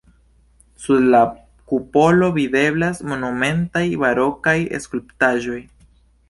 Sub la kupolo videblas monumentaj barokaj skulptaĵoj.